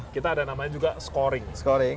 kita ada namanya juga scoring scoring